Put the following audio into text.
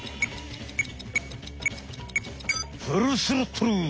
フルスロットル！